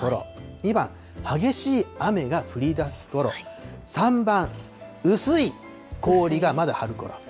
２番、激しい雨が降りだすころ、３番、薄い氷がまだ張るころ。